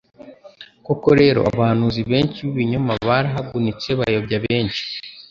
Koko rero abahanuzi benshi b'ibinyoma barahagunitse bayobya benshi,